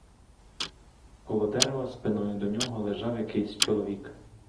Коло дерева спиною до нього лежав якийсь чоловік.